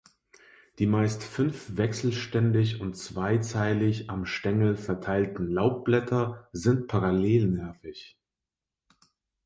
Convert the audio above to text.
Die meist fünf wechselständig und zweizeilig am Stängel verteilten Laubblätter sind parallelnervig.